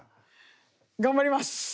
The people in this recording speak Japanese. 頑張ります。